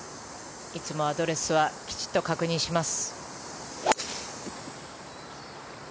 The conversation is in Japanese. いつもアドレスはきちんと確認します。